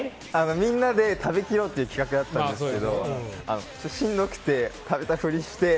みんなで食べきろうっていう企画だったんですけどしんどくて食べたふりして。